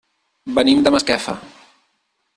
Venim de Masquefa.